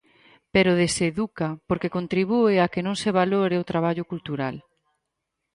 Pero deseduca porque contribúe a que non se valore o traballo cultural.